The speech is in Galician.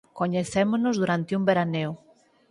Coñecémonos durante un veraneo.